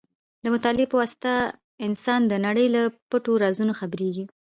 د مطالعې په واسطه انسان د نړۍ له پټو رازونو خبرېږي.